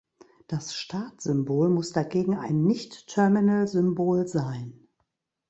Das Startsymbol muss dagegen ein Nichtterminalsymbol sein.